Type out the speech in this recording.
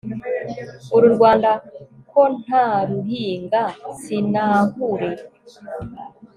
uru rwanda ko nta ruhinga sinahure